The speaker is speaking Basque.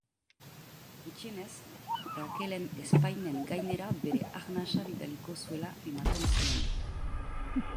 Gutxienez, Rakelen ezpainen gainera bere arnasa bidaliko zuela ematen zuen.